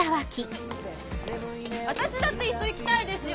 私だっていっそ行きたいですよ。